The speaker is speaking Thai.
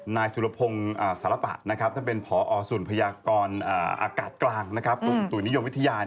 นายสุรพงศ์สารปะนะครับท่านเป็นผอสุนพยากรอากาศกลางตุ๋วนิยมวิทยา